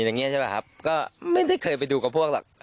อย่างนี้ใช่ป่ะครับก็ไม่ได้เคยไปดูกับพวกหรอก